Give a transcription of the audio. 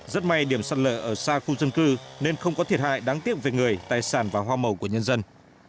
rất may điểm sạt lở ở xa khu dân cư nên không có thiệt hại đáng tiếc về người tài sản và hoa màu của nhân dân